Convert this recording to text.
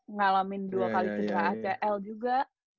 ngalamin dua x jendera acl juga